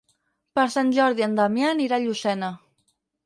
Per Sant Jordi en Damià anirà a Llucena.